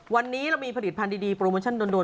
วันนี้เรามีผลิตภัณฑ์ดีโปรโมชั่นโดน